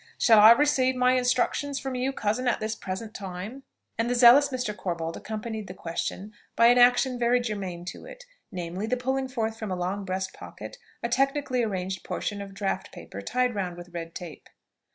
Shall I receive my instructions from you, cousin, at this present time?" and the zealous Mr. Corbold accompanied the question by an action very germain to it, namely, the pulling forth from a long breast pocket a technically arranged portion of draught paper tied round with red tape.